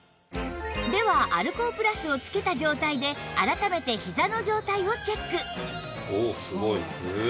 ではアルコープラスを着けた状態で改めてひざの状態をチェック